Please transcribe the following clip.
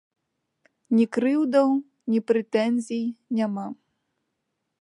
Ні крыўдаў, ні прэтэнзій няма.